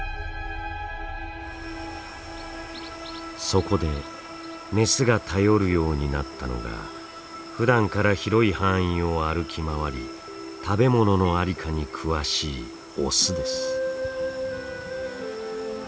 そこでメスが頼るようになったのがふだんから広い範囲を歩き回り食べ物の在りかに詳しいオスです。